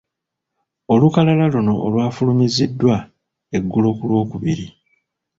Olukalala luno olwafulumiziddwa eggulo ku Lwokubiri.